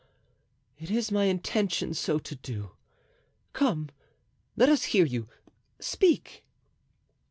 "It is my intention so to do; come, let us hear you. Speak."